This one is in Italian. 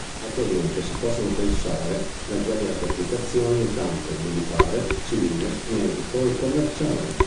Attualmente si possono pensare a svariate applicazioni in campo militare, civile, medico e commerciale.